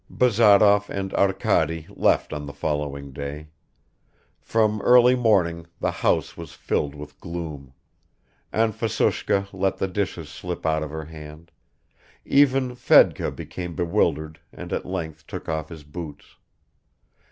Bazarov and Arkady left on the following day. From early morning the house was filled with gloom; Anfisushka let the dishes slip out of her hand; even Fedka became bewildered and at length took off his boots.